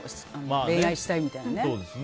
恋愛したいみたいな。